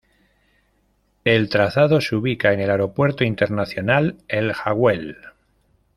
El trazado se ubica en el Aeropuerto Internacional El Jagüel.